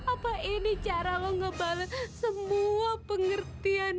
apa ini cara kamu untuk mengulangi semua pengertianmu